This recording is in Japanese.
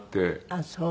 あっそう。